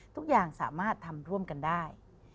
ทุกอย่างสามารถทำร่วมกันได้